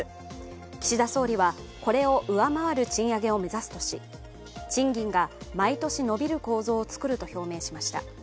岸田総理はこれを上回る賃上げを目指すとし賃金が、毎年伸びる構造をつくると表明しました。